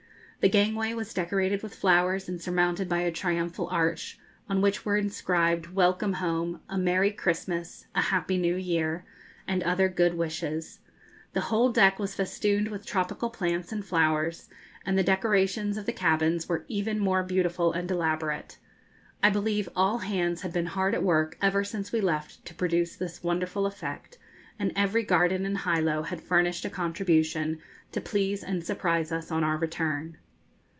The gangway was decorated with flowers, and surmounted by a triumphal arch, on which were inscribed 'Welcome Home,' 'A Merry Christmas,' 'A Happy New Year,' and other good wishes. The whole deck was festooned with tropical plants and flowers, and the decorations of the cabins were even more beautiful and elaborate. I believe all hands had been hard at work ever since we left to produce this wonderful effect, and every garden in Hilo had furnished a contribution to please and surprise us on our return.